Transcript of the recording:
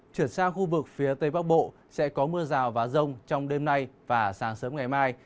chuyển sang khu vực phía tây bắc bộ sẽ có mưa rào và rông trong đêm nay và sáng sớm ngày mai